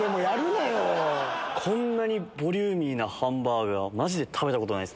こんなにボリューミーなハンバーガーマジで食べたことないですね。